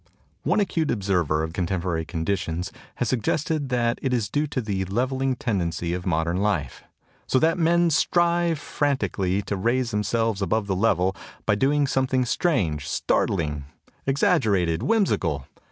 One acute observer of contemporary conditions has sug gested that it is due to the leveling tendency of modern life, "so that men strive frantically to raise themselves above the level by doing some thing strange, startling, exaggerated, whimsical.